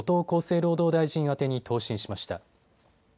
厚生労働大臣宛てに答申しました。